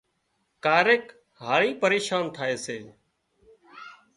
ڪاريڪ هاۯِي پريشان ٿائي سي